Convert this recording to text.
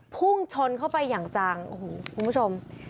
พุ่งชนเข้าไปอย่างจังโอ้โหคุณผู้ชม